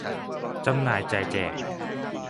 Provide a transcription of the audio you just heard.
จำหน่ายจ่ายแจก